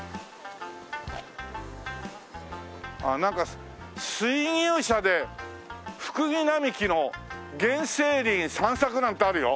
ああなんか「水牛車でフクギ並木の原生林散策」なんてあるよ。